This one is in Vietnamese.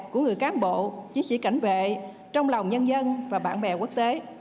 của người cán bộ chiến sĩ cảnh vệ trong lòng nhân dân và bạn bè quốc tế